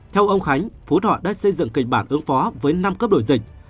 theo ông khánh phú thọ đã xây dựng kịch bản ứng phó với năm cấp đổi dịch